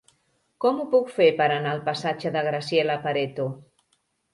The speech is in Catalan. Com ho puc fer per anar al passatge de Graziella Pareto?